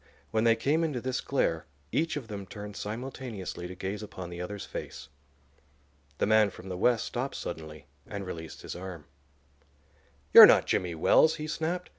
When they came into this glare each of them turned simultaneously to gaze upon the other's face. The man from the West stopped suddenly and released his arm. "You're not Jimmy Wells," he snapped.